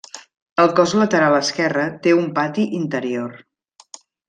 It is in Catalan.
El cos lateral esquerra té un pati interior.